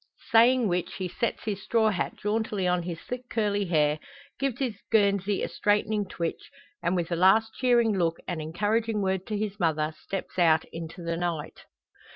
Saying which, he sets his straw hat jauntily on his thick curly hair, gives his guernsey a straightening twitch, and, with a last cheering look and encouraging word to his mother, steps out into the night.